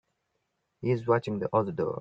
He's watching the other door.